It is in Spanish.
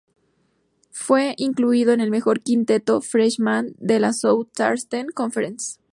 Fue incluido en el Mejor Quinteto freshman de la Southeastern Conference.